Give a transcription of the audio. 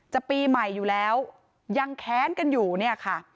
ปีใหม่อยู่แล้วยังแค้นกันอยู่เนี่ยค่ะ